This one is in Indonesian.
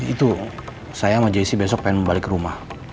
itu saya sama jessi besok pengen balik ke rumah